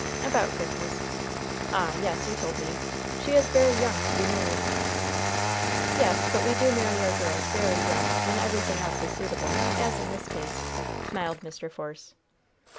"About Christmas." "Ah, yes! You told me! She is very young to be married." "Yes; but we do marry our girls very young when everything else is suitable as in this case," smiled Mr. Force.